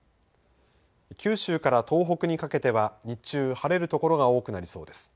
九州から東北にかけては日中晴れるところが多くなりそうです。